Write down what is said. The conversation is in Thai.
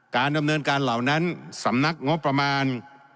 การดำเนินการเหล่านั้นสำนักงบประมาณ